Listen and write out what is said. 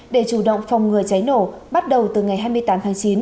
để chủ động phòng ngừa cháy nổ bắt đầu từ ngày hai mươi tám tháng chín